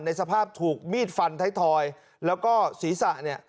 สภาพถูกมีดฟันไทยทอยแล้วก็ศีรษะเนี่ย